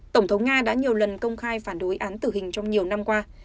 tổng thống nga đã nhiều lần công khai phản đối án tử hình trong nhiều năm qua